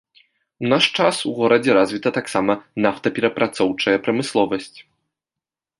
У наш час у горадзе развіта таксама нафтаперапрацоўчая прамысловасць.